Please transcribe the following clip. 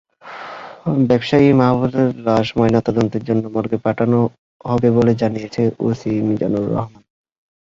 ব্যবসায়ী মাহবুবের লাশও ময়নাতদন্তের জন্য মর্গে পাঠানো হবে বলে জানিয়েছেন ওসি মিজানুর রহমান।